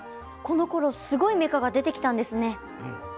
このころすごいメカが出てきたんですね。